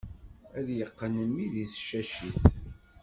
Ad t-yeqqen mmi di tcacit.